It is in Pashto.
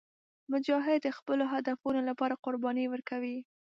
مجاهد د خپلو هدفونو لپاره قرباني ورکوي.